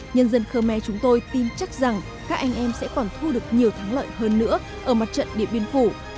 nhân dân khơ me chúng tôi tin chắc rằng các anh em sẽ còn thu được nhiều thắng lợi hơn nữa ở mặt trận điện biên phủ